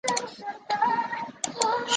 生于利沃夫。